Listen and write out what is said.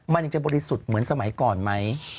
มันยังจะบริสุทธิ์เหมือนสมัยก่อนไหม